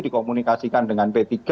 dikomunikasikan dengan p tiga